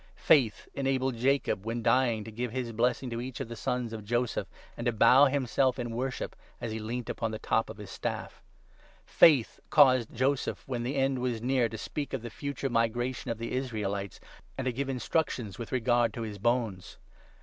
Faith enabled Jacob, when dying, to give 21 his blessing to each of the sons of Joseph, and ' to bow himself in worship as he leant upon the top of his staff. ' Faith 22 caused Joseph, when his end was near, to speak of the future migration of the Israelites, and to give instructions with regard to his bones.